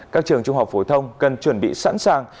các trường trung học phổ thông cần chuẩn bị sẵn sàng